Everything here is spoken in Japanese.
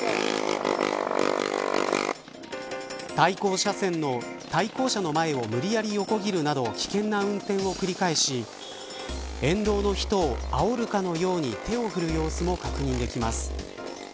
対向車線の対向車の前を無理やり横切るなど危険な運転を繰り返し沿道の人をあおるかのように手を振る様子も確認できます。